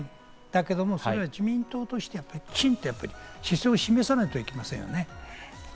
だけれども、自民党としてきちんと姿勢を示さなきゃいけないですよね。